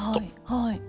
はい。